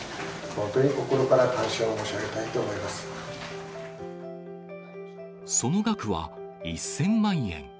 本当に心から感謝を申し上げたいその額は１０００万円。